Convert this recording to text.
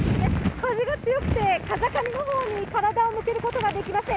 風が強くて風上のほうに体を向けることができません。